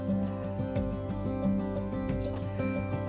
oke mbak gita